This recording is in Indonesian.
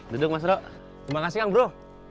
duduk mas bro terima kasih kang bro